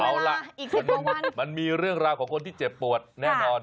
เอาล่ะมันมีเรื่องราวของคนที่เจ็บปวดแน่นอน